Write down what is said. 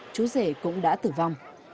chú rể cũng đã tử vong